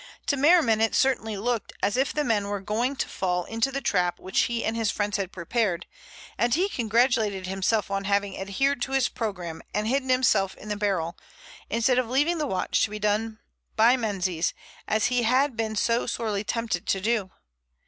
To Merriman it certainly looked as if the men were going to fall into the trap which he and his friends had prepared, and he congratulated himself on having adhered to his program and hidden himself in the barrel, instead of leaving the watching to be done by Menzies, as he had been so sorely tempted to do.